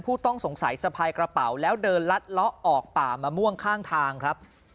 ผู้ต้องสงสัยสะพายกระเป๋าแล้วเดินลัดเลาะออกป่ามะม่วงข้างทางครับ